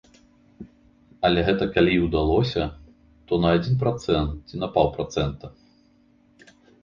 Але гэта калі і ўдалося, то на адзін працэнт ці на паўпрацэнта.